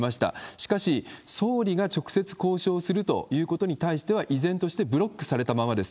しかし、総理が直接交渉するということに対しては、依然としてブロックされたままです。